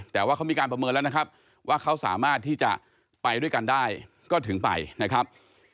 แต่ว่าเขามีการประเมินแล้วนะครับว่าเขาสามารถที่จะไปด้วยกันได้ก็ถึงไปนะครับ